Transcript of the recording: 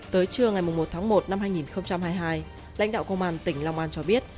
tới trưa ngày một tháng một năm hai nghìn hai mươi hai lãnh đạo công an tỉnh long an cho biết